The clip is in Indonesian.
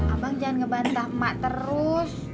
abang jangan ngebantah emak terus